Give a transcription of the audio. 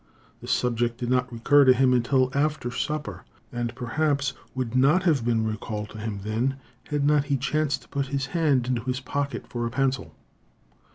The subject did not recur to him again until after supper, and perhaps would not have been recalled to him then had not he chanced to put his hand into his pocket for a pencil.